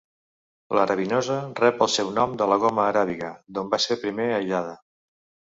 L'arabinosa rep el seu nom de la goma aràbiga, d'on va ser primer aïllada.